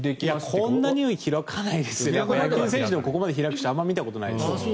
ほかの野球選手でもここまで開く人は見たことがないです。